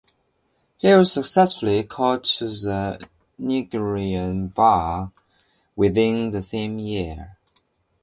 He was successfully called to the Nigerian Bar within the same year.